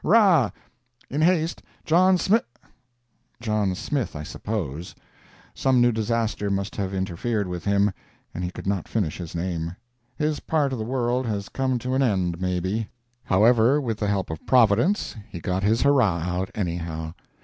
] rah! In haste. John Smi—. John Smith, I suppose. Some new disaster must have interferred with him, and he could not finish his name. His part of the world has come to an end maybe. However, with the help of Providence, he got his hurrah out, anyhow.